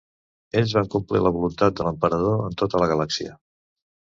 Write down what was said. Ells van complir la voluntat de l'emperador en tota la galàxia.